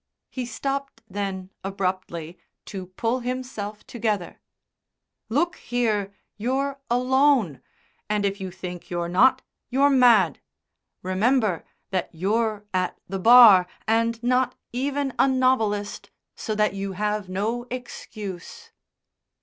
He stopped then abruptly, to pull himself together. "Look here, you're alone, and if you think you're not, you're mad. Remember that you're at the Bar and not even a novelist, so that you have no excuse."